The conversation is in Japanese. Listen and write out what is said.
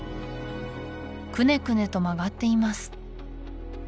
くねくねと曲がっています